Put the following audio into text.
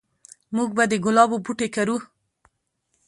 موږ به د ګلابو بوټي کرو